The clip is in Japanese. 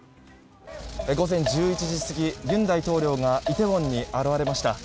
午前１１時過ぎ尹大統領がイテウォンに現れました。